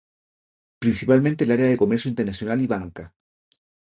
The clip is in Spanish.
Principalmente el área de comercio internacional y banca.